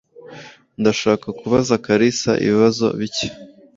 Ndashaka kubaza Kalisa ibibazo bike.